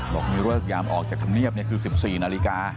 บอกมีเลิกยามออกจากธรรมเนียบคือ๑๔นาฬิกา